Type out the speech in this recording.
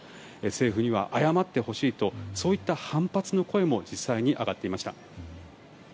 政府には謝ってほしいとそういった反発の声も実際に上がっていました。